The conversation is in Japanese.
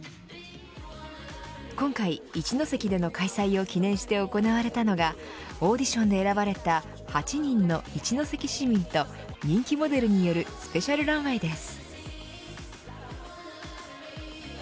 今回、一関での開催を記念して行われたのがオーディションで選ばれた８人の一関市民と人気モデルによるスペシャルランウェーです。